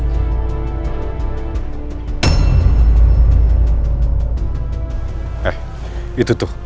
eh itu tuh